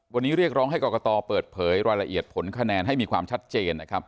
วันนี้เรียกร้องให้กรกตเปิดเผยรายละเอียดผลคะแนนให้มีความชัดเจนนะครับ